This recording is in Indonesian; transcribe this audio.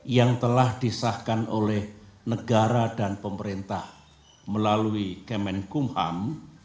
yang telah disahkan oleh negara dan pemerintah melalui kemenkumham